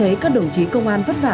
số cát cốt công dân ạ